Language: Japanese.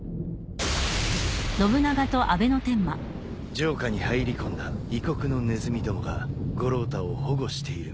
城下に入り込んだ異国のネズミどもが五郎太を保護しているもよう。